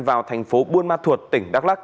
vào thành phố buôn ma thuột tỉnh đắk lắc